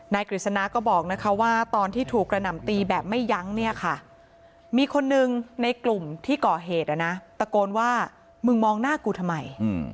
กฤษณาก็บอกนะคะว่าตอนที่ถูกกระหน่ำตีแบบไม่ยั้งเนี่ยค่ะมีคนนึงในกลุ่มที่ก่อเหตุตะโกนว่ามึงมองหน้ากูทำไม